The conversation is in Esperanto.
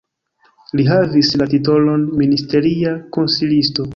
Li havis la titolon ministeria konsilisto.